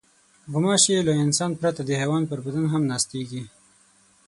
غوماشې له انسان پرته د حیوان پر بدن هم ناستېږي.